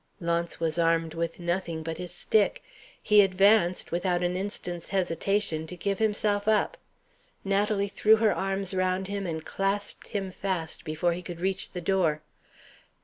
Launce was armed with nothing but his stick. He advanced, without an instant's hesitation, to give himself up. Natalie threw her arms round him and clasped him fast before he could reach the door.